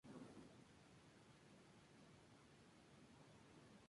Revisa tu ruta y la naturaleza de tu batalla.